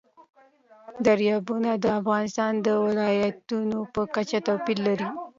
دریابونه د افغانستان د ولایاتو په کچه توپیر لري.